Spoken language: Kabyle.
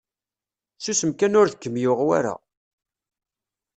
Susem kan ur d kem-yuɣ wara.